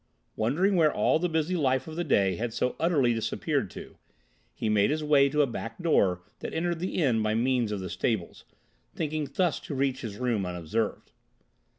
Wondering where all the busy life of the day had so utterly disappeared to, he made his way to a back door that entered the inn by means of the stables, thinking thus to reach his room unobserved.